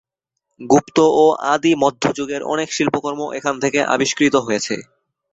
গুপ্ত ও আদি মধ্যযুগের অনেক শিল্পকর্ম এখান থেকে আবিষ্কৃত হয়েছে।